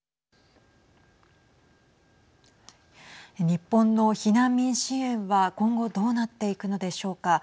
日本の避難民支援は今後どうなっていくのでしょうか。